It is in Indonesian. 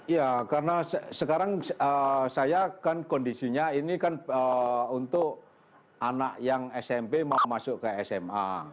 ya karena sekarang saya kan kondisinya ini kan untuk anak yang smp mau masuk ke sma